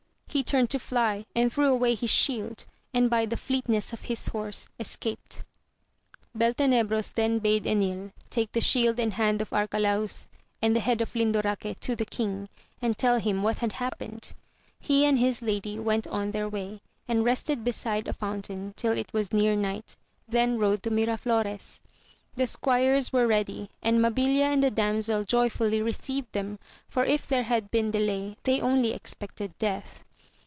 He turned to fly, and threw away his shield, and by the fleetness of his horse escaped. Beltenebros then bade Enil take the shield and hand of Arcalaus, and the head of Lindoraque to the king, and tell him what had happened. He and his lady went on their way, and rested beside a fountain till it was near night, then rode to Miraflores. The squires were ready, and Mabilia and the damsel joyfully received them, for if there had been delay they only expected death.